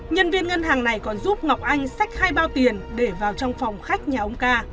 nhân viên ngân hàng này còn giúp ngọc anh sách hai bao tiền để vào trong phòng khách nhà ông ca